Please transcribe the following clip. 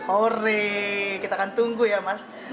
ori kita akan tunggu ya mas